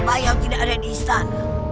wak bayau tidak ada di istana